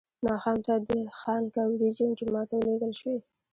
ماښام ته دوه خانکه وریجې جومات ته ولېږل شوې.